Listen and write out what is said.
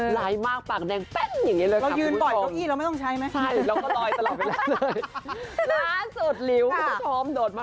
หลายมากปากแดงแป็งอย่างนี้เลยค่ะ